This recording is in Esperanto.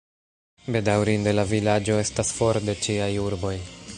Bedaŭrinde, la vilaĝo estas for de ĉiaj urboj.